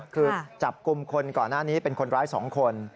คือจับกลุ่มคนก่อนหน้านี้เป็นคนร้าย๒คน